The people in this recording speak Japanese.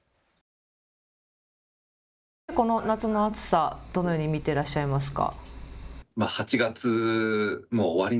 この夏の暑さ、どのように見ていらっしゃいますか。